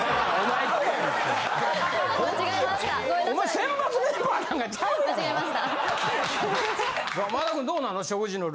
前田君どうなの？